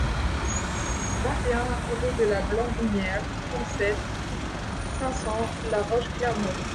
vingt et un rue de la Blandinière, trente-sept, cinq cents, La Roche-Clermault